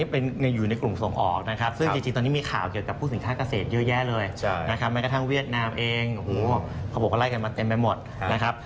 พวกมันเองเขาบอกว่าไล่กันมาเต็มไปหมดนะครับ